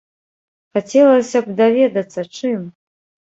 Хацелася б даведацца, чым?